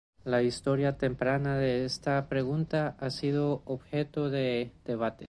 La historia temprana de esta pregunta ha sido objeto de debates.